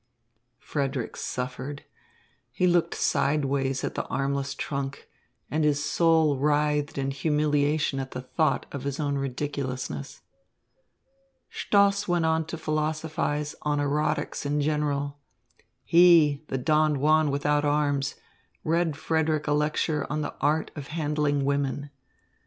Frederick suffered. He looked sidewise at the armless trunk, and his soul writhed in humiliation at the thought of his own ridiculousness. Stoss went on to philosophise on erotics in general. He, the Don Juan without arms, read Frederick a lecture on the art of handling women.